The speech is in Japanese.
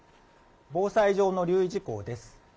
防災上の留意事項です。